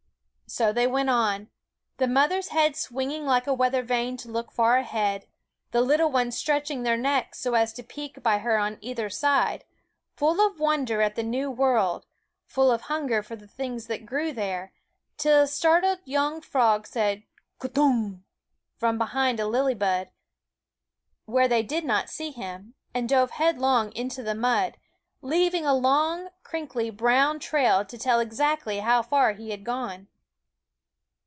So they went on, the mother's head swinging like a weather vane to look far ahead, the little ones stretching their necks so as to peek by her on either side, full of wonder at the new world, full of hunger for the things that grew there, till a startled young frog said K'tung! from behind a lily bud, where they did not see him, and dove headlong into the mud, leaving a long, crinkly, brown trail to tell exactly how far he had gone.